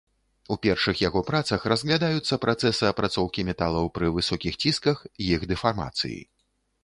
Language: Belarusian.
У першых яго працах разглядаюцца працэсы апрацоўкі металаў пры высокіх цісках, іх дэфармацыі.